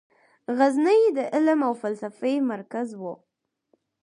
غزني د علم او فلسفې مرکز و.